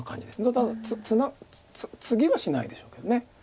ただツギはしないでしょうけど。